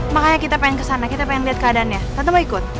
makanya kita pengen kesana kita pengen lihat keadaannya tetap ikut